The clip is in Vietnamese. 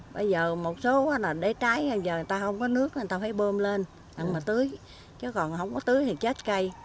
bây giờ một số là để trái nhưng giờ người ta không có nước người ta phải bơm lên mà tưới chứ còn không có tưới thì chết cây